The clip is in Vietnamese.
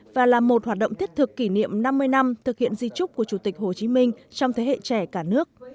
và là một hoạt động thiết thực kỷ niệm năm mươi năm thực hiện di trúc của chủ tịch hồ chí minh trong thế hệ trẻ cả nước